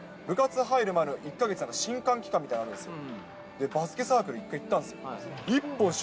大学入ったときに、部活入る前の１か月の新歓期間みたいなのあるんですよ。